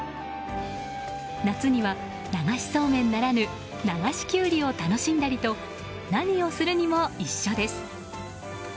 夏には流しそうめんならぬ流しきゅうりを楽しんだりと何をするにも一緒です。